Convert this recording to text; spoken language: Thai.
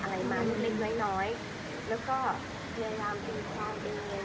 อะไรมาอยู่เล็กน้อยแล้วก็พยายามกันความเองเอง